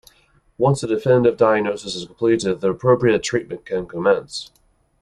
Once a definitive diagnosis is completed the appropriate treatment can commence.